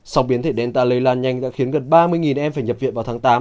sau biến thể delta lây lan nhanh đã khiến gần ba mươi em phải nhập viện vào tháng tám